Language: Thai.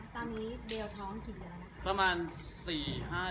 ตอนนี้เดองอยู่ท้องสิบเดือนแล้วนะครับ